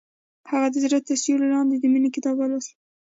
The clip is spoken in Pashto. هغې د زړه تر سیوري لاندې د مینې کتاب ولوست.